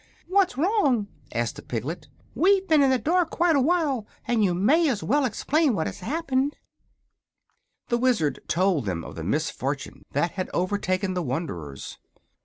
"What's wrong?" asked a piglet. "We've been in the dark quite a while, and you may as well explain what has happened." The Wizard told them of the misfortune that had overtaken the wanderers.